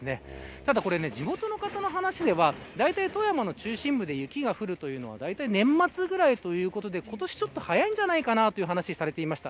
ただこれ、地元の人の話ではだいたい富山の中心部で雪が降るというのは年末ぐらいということで今年、ちょっと早いんじゃないかなと話していました。